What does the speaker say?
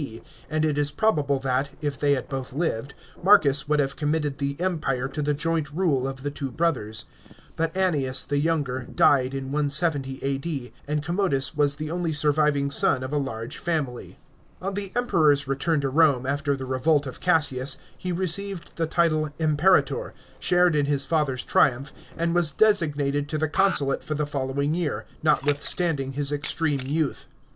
D., and it is probable that, if they had both lived, Marcus would have committed the Empire to the joint rule of the two brothers. But Annius, the younger, died in 170 A.D., and Commodus was the only surviving son of a large 548 PEINC1PATE OF MAKCUS AUBELIUS CHAP, xxvm. family. On the Emperor's return to Home after the revolt of Cassius, he received the title Imperator, shared in his father's triumph, and 'was designated to the consulate for the following year, notwith standing his extreme youth.